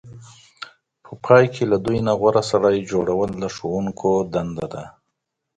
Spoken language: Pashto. په پای کې له دوی نه غوره سړی جوړول د ښوونکو دنده ده.